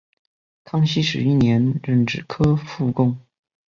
康熙十一年壬子科副贡。